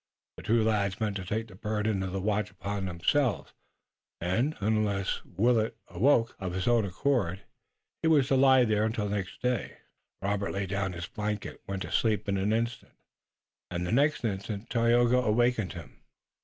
The two lads meant to take the burden of the watch upon themselves, and, unless Willet awoke, of his own accord, he was to lie there until day. Robert lay down upon his blanket, went to sleep in an instant, and the next instant Tayoga awakened him.